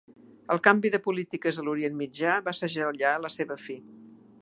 El canvi de polítiques a l'Orient Mitjà va segellar la seva fi.